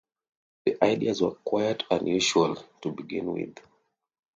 The ideas were quite unusual, to begin with.